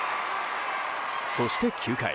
そして、９回。